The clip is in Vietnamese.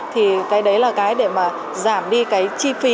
thì cái đấy là cái để mà giảm đi cái chi phí